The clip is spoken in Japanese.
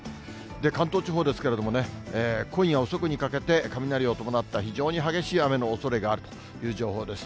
関東地方ですけれどもね、今夜遅くにかけて、雷を伴った非常に激しい雨のおそれがあるという情報です。